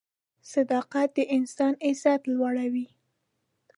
صداقت د انسان عزت لوړوي.